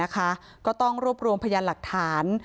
ก็ต้องรวบรวมพยานหลักฐาน